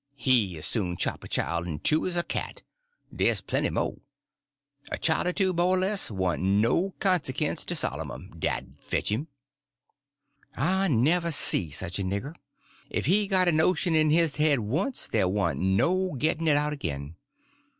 He as soon chop a chile in two as a cat. Dey's plenty mo'. A chile er two, mo' er less, warn't no consekens to Sollermun, dad fatch him!" I never see such a nigger. If he got a notion in his head once, there warn't no getting it out again.